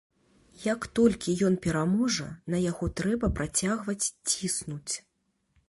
Як толькі ён пераможа, на яго трэба працягваць ціснуць.